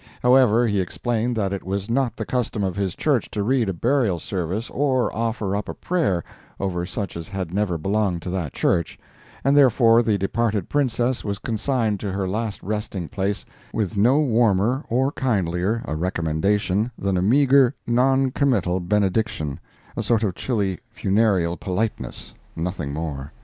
However, he explained that it was not the custom of his church to read a burial service or offer up a prayer over such as had never belonged to that church, and therefore the departed Princess was consigned to her last resting place with no warmer or kindlier a recommendation than a meager, non committal benediction—a sort of chilly funereal politeness—nothing more.